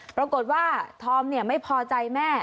ปรากฏว่าทอมเนี่ยไม่พอใจแม่